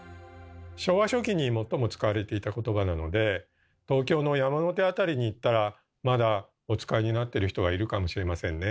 昭和初期に最も使われていた言葉なので東京の山の手辺りに行ったらまだお使いになってる人がいるかもしれませんね。